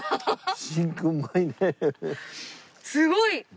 すごい！